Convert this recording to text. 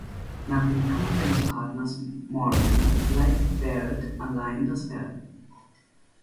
Nach dem Tod seines Partners Morgan leitete Baird allein das Werk.